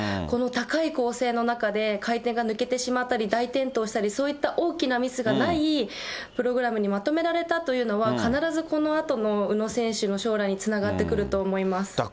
この高い構成の中で、回転が抜けてしまったり、大転倒したり、そういった大きなミスがないプログラムにまとめられたというのは、必ずこのあとの宇野選手の将来につながってくると思います。